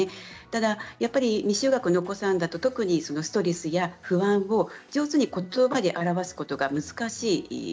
ただ未就学のお子さんだとストレスや不安を上手にことばで表すことが難しい。